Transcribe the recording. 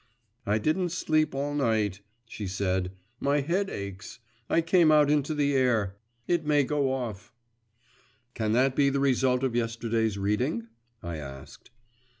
'I didn't sleep all night,' she said; 'my head aches; I came out into the air it may go off.' 'Can that be the result of yesterday's reading?' I asked.